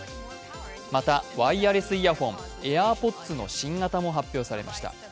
また、ワイヤレスイヤホン、ＡｉｒＰｏｄｓの新型も発表されました。